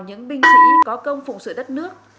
những binh sĩ có công phụng sự đất nước